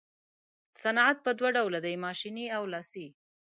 صنعت په دوه ډوله دی ماشیني او لاسي.